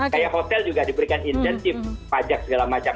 kayak hotel juga diberikan insentif pajak segala macam